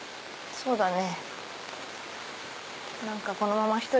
そうだね。